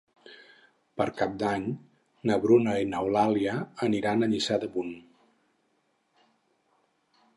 Per Cap d'Any na Bruna i n'Eulàlia aniran a Lliçà d'Amunt.